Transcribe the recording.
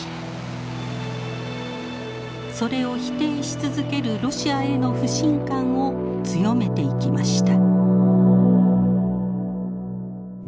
それを否定し続けるロシアへの不信感を強めていきました。